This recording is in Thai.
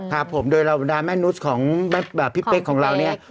ครับผมโดยเราบรรดาแม่นุษย์ของพี่เป๊กของเราเนี่ย